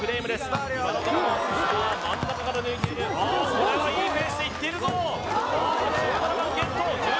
これはいいペースでいってるぞ、１３番！